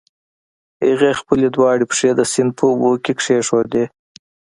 هغې خپلې دواړه پښې د سيند په اوبو کې کېښودې.